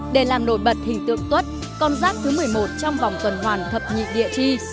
để làm nổi bật hình tượng tuất con giáp thứ một mươi một trong vòng tuần hoàn thập nhiên